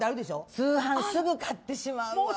通販すぐ買ってしまうわ。